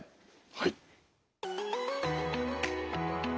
はい。